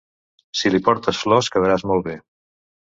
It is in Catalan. Si li portes flors quedaràs molt bé.